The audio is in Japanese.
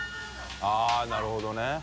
◆舛なるほどね。